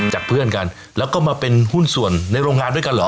จากเพื่อนกันแล้วก็มาเป็นหุ้นส่วนในโรงงานด้วยกันเหรอ